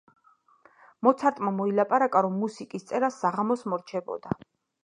მოცარტმა მოილაპარაკა, რომ მუსიკის წერას საღამოს მორჩებოდა